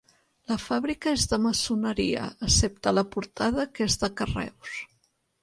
La fàbrica és de maçoneria excepte la portada que és de carreus.